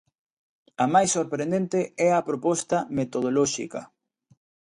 A máis sorprendente é a proposta metodolóxica.